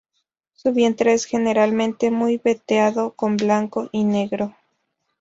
Su vientre es generalmente muy veteado con blanco y negro.